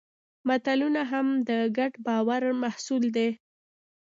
ملتونه هم د ګډ باور محصول دي.